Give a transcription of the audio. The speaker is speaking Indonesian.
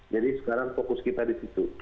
jadi sekarang fokus kita di situ